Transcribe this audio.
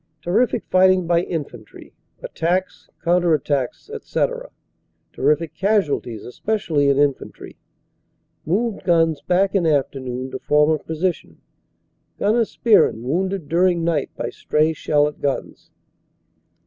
Terrific fight ing by Infantry; attacks, counter attacks, etc.; terrific casual ties, especially in Infantry. Moved guns back in afternoon to former position. Gnr. Spearn wounded during night by stray shell at guns.